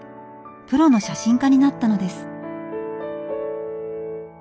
プロの写真家になったのです。